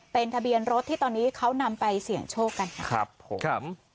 เป็นทะเบียนรถที่ตอนนี้เขานำไปเสี่ยงโชคกันค่ะครับผม